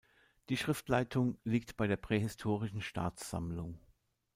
Die Schriftleitung liegt bei der Prähistorischen Staatssammlung.